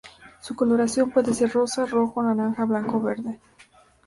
Su coloración puede ser rosa, rojo, naranja, blanco o verde.